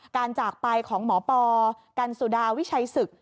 จากไปของหมอปอกันสุดาวิชัยศึก